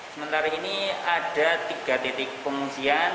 sementara ini ada tiga titik pengungsian